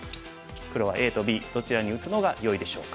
黒はＡとＢどちらに打つのがよいでしょうか。